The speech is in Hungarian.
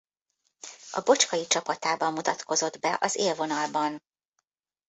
A Bocskai csapatában mutatkozott be az élvonalban.